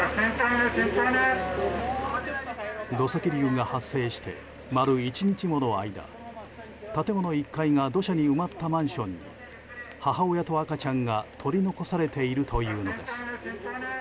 土石流が発生して丸１日もの間建物１階が土砂に埋まったマンションに母親と赤ちゃんが取り残されているというのです。